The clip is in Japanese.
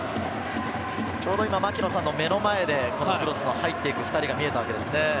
今、槙野さんの目の前で行われている入っていく２人が見えたわけですね。